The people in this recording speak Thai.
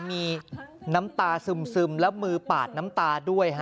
มีน้ำตาซึมแล้วมือปาดน้ำตาด้วย